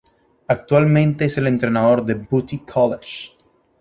Actualmente es el entrenador del Butte College.